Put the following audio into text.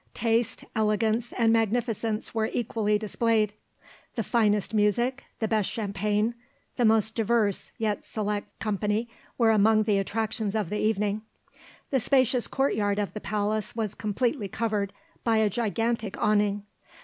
Taste, elegance, and magnificence were equally displayed. The finest music, the best champagne, the most diverse, yet select, company were among the attractions of the evening. The spacious courtyard of the palace was completely covered by a gigantic awning.